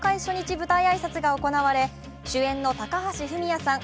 舞台挨拶が行われ主演の高橋文哉さん